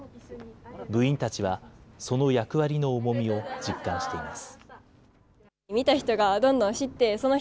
部員たちはその役割の重みを実感しています。